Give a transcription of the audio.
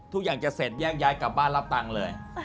ทุกอย่างจะเสร็จแยกย้ายกลับบ้านรับตังค์เลย